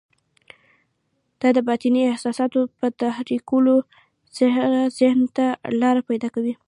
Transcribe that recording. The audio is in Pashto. دا د باطني احساساتو په تحريکولو سره ذهن ته لاره پيدا کوي.